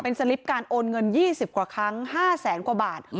เป็นสลิปการโอนเงินยี่สิบกว่าครั้งห้าแสนกว่าบาท